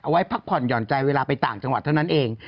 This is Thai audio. ไว้พักผ่อนหย่อนใจเวลาไปต่างจังหวัดเท่านั้นเอง